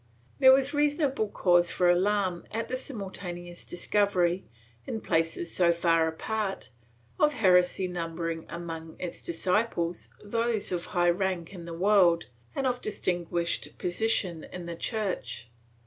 There was reasonable cause for alarm at the simultaneous dis covery, in places so far apart, of heresy numbering among its disciples those of high rank in the world and of distinguished position in the Church.